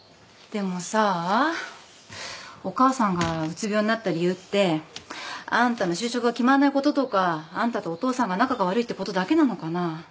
でもさお母さんがうつ病になった理由ってあんたの就職が決まんないこととかあんたとお父さんが仲が悪いってことだけなのかな。